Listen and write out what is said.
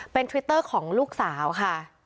เป็นทวิตเตอร์ของลูกสาวค่ะ